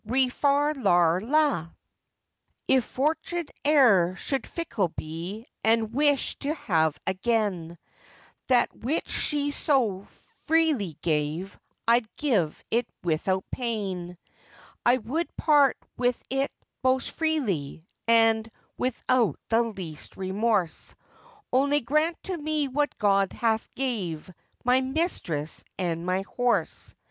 If Fortune e'er should fickle be, and wish to have again That which she so freely gave, I'd give it without pain; I would part with it most freely, and without the least remorse, Only grant to me what God hath gave, my mistress and my horse!